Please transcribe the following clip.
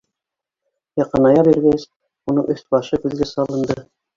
Яҡыная биргәс, уның өҫ-башы күҙгә салынды.